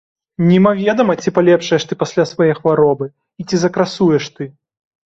Немаведама, ці палепшаеш ты пасля свае хваробы і ці закрасуеш ты!